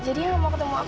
jadi kamu mau ketemu aku